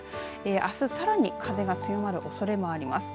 あすさらに風が強まるおそれもあります。